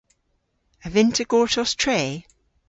A vynn'ta gortos tre?